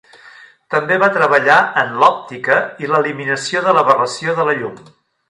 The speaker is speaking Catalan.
També va treballar en l'òptica i l'eliminació de l'aberració de la llum.